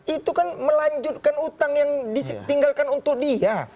itu kan melanjutkan utang yang ditinggalkan untuk dia